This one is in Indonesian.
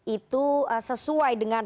itu sesuai dengan